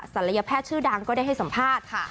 ศัลยแพทย์ชื่อดังก็ได้ให้สัมภาษณ์